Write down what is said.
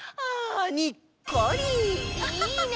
いいね！